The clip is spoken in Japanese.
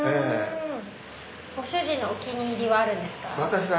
ご主人のお気に入りはあるんですか？